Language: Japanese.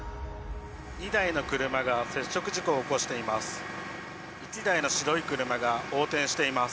２台の車が接触事故を起こしています。